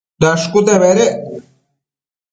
Dashcute bedec